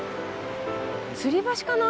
つり橋かな？